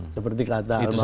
seperti kata al makurlah